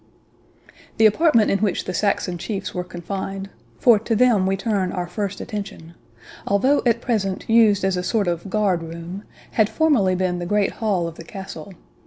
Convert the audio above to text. The apartment in which the Saxon chiefs were confined, for to them we turn our first attention, although at present used as a sort of guard room, had formerly been the great hall of the castle.